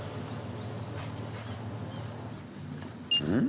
うん？